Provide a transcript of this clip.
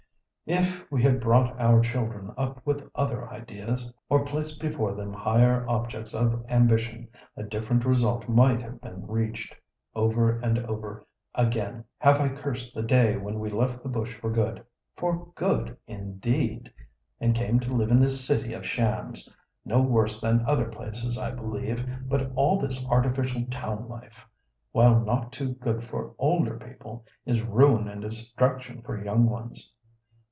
"If we had brought our children up with other ideas, or placed before them higher objects of ambition, a different result might have been reached. Over and over again have I cursed the day when we left the bush for good—for good, indeed!—and came to live in this city of shams. Not worse than other places, I believe; but all this artificial town life, while not too good for older people, is ruin and destruction for young ones.